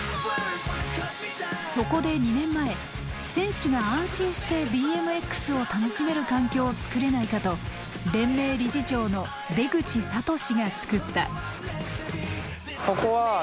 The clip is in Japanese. そこで２年前選手が安心してＢＭＸを楽しめる環境を作れないかと連盟理事長の出口智嗣が作った。